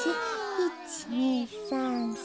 １２３４。